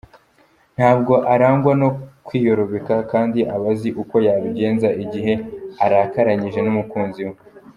Ntabwo arangwa no kwiyorobeka kandi aba azi uko yabigenza igihe arakaranyije n’umukunzi we.